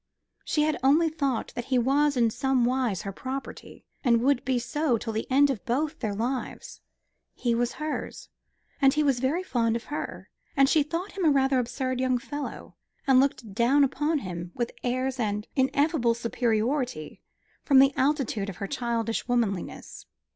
She had only thought that he was in somewise her property, and would be so till the end of both their lives. He was hers, and he was very fond of her, and she thought him a rather absurd young fellow, and looked down upon him with airs of ineffable superiority from the altitude of her childish womanliness.